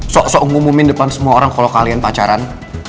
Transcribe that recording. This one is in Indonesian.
sok sok ngumumin depan semua orang kalau kalian pacaran